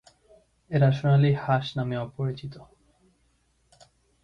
এরা সোনালি চোখ হাঁস নামেও পরিচিত।